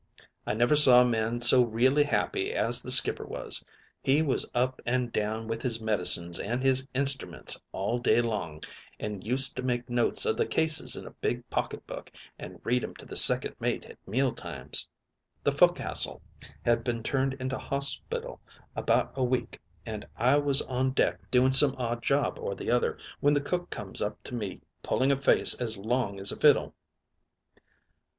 I never saw a man so reely happy as the skipper was. He was up an' down with his medicines and his instruments all day long, and used to make notes of the cases in a big pocketbook, and read 'em to the second mate at meal times. "The foc'sle had been turned into hospital about a week, an' I was on deck doing some odd job or the other, when the cook comes up to me pulling a face as long as a fiddle.